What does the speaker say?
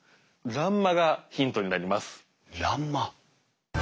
欄間。